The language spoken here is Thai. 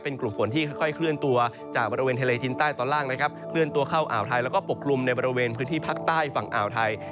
เป็นกลุ่มฝนที่ค่อยเคลื่อนตัวจากบริเวณทะเลจินใต้ตอนล่างนะครับเคลื่อนตัวเข้าอ่าวไทยแล้วก็ปกลุ่มในบริเวณพื้นที่ภาคใต้ฝั่งอ่าวไทย